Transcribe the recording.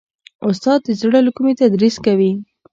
استاد د زړه له کومي تدریس کوي.